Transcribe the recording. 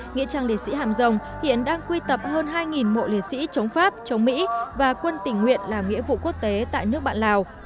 nghĩa trang liệt sĩ hàm rồng hiện đang quy tập hơn hai mộ liệt sĩ chống pháp chống mỹ và quân tỉnh nguyện làm nghĩa vụ quốc tế tại nước bạn lào